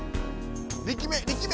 力め！